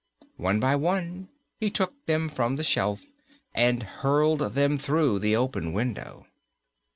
One by one he took them from the shelf and hurled them through the open window.